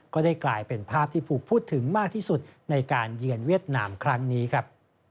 ก็ได้กลายเป็นภาพที่ถูกพูดถึงมากที่สุดในการเยือนเวียดนามครั้งนี้ครับ